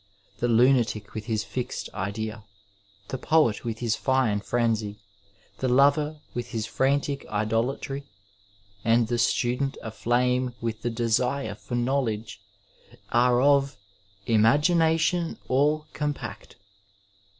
The lunatic with his fixed idea, the poet with his fine frenzy, the lover with his frantic idolatry, and the student aflame with the desire for knowledge are of " imagination all com pact."